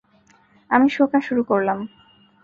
আমি শোঁকা শুরু করলাম।